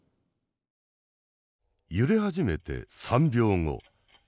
揺れ始めて３秒後。